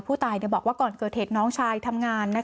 ผู้ตายบอกว่าก่อนเกิดเหตุน้องชายทำงาน